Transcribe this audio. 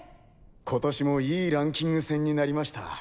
今年もいいランキング戦になりました。